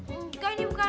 enggak ini bukan bom